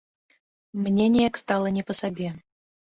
Мне неяк стала не па сабе.